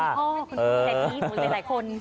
พี่พ่อแขกนี้หลายคน